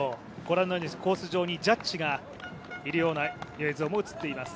コース上にジャッジがいるような映像も映っています。